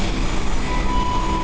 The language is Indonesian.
aku akan menang